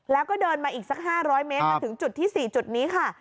แล้วก็เดินมาอีกสัก๕๐๐เมตรมาถึงจุดที่๔จุดนี้ค่ะ